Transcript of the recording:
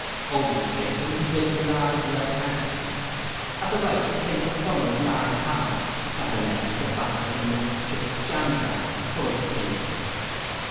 Over the table he draped a large red handkerchief. At the right he placed a plumber's large hammer; at the left, a battered and much chipped jam jar, full of tea.